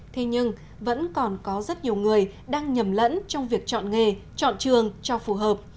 thế nhưng vẫn còn có rất nhiều người đang nhầm lẫn trong việc chọn nghề chọn trường cho phù hợp